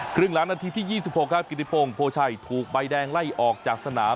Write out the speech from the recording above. ครึ่งหลังนาทีที่๒๖ครับกิติพงศ์โพชัยถูกใบแดงไล่ออกจากสนาม